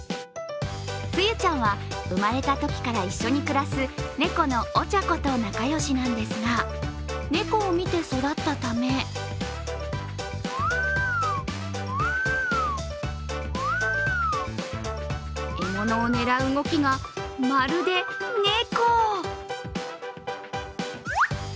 つゆちゃんは生まれたときから一緒に暮らす猫のお茶子と仲良しなんですが猫を見て育ったため獲物を狙う動きがまるで猫。